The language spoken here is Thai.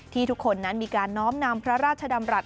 ทุกคนนั้นมีการน้อมนำพระราชดำรัฐ